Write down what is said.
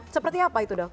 seperti apa itu dok